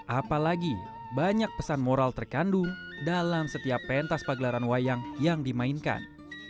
apalagi banyak pesan moral terkandung dalam setiap pentas pagelaran wayang yang dimainkan